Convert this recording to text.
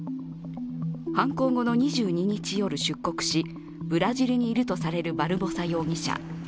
犯行後の２２日夜、出国し、ブラジルにいるとされるバルボサ容疑者。